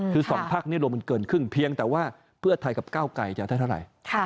คือ๒พักนี้รวมมันเกินครึ่งเพียงแต่ว่าเพื่อไทยกับก้าวไกรจะได้เท่าไหร่